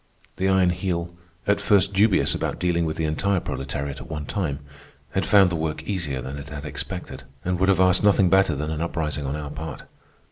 The Iron Heel, at first dubious about dealing with the entire proletariat at one time, had found the work easier than it had expected, and would have asked nothing better than an uprising on our part.